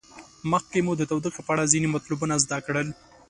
مخکې مو د تودوخې په اړه ځینې مطلبونه زده کړل.